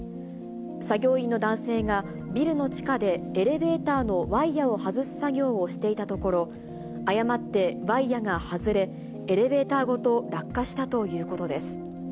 作業員の男性が、ビルの地下でエレベーターのワイヤを外す作業をしていたところ、誤ってワイヤが外れ、エレベーターごと落下したということです。